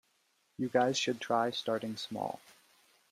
You guys should try starting small.